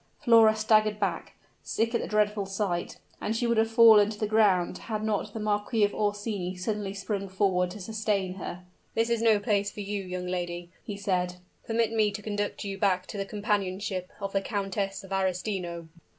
Flora staggered back sick at the dreadful sight; and she would have fallen to the ground had not the Marquis of Orsini suddenly sprung forward to sustain her. "This is no place for you, young lady," he said. "Permit me to conduct you back to the companionship of the Countess of Arestino."